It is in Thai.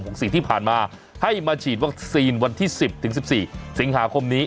หรือ๔ที่ผ่านมาให้มาฉีดวัคซีนวันที่๑๐ถึง๑๔สิงหาคมนี้